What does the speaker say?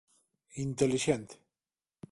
Intelixente.